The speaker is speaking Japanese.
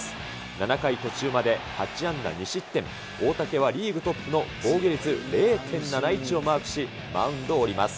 ７回途中まで８安打２失点、大竹はリーグトップの防御率０．７１をマークし、マウンドを降ります。